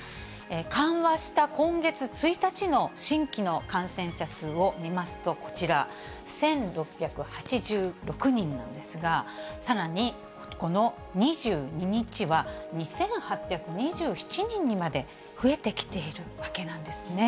緩和した今月１日の新規の感染者数を見ますと、こちら、１６８６人なんですが、さらにこの２２日は２８２７人にまで増えてきているわけなんです